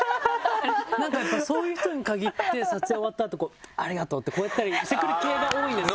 なんかそういう人に限って撮影終わった後「ありがとう」ってこうやったりしてくる系が多いんですよ。